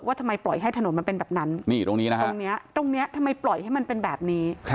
ว่าทำไมปล่อยให้ถนนมันเป็นแบบนั้นตรงเนี่ยทำไมปล่อยให้มันเป็นแบบนี้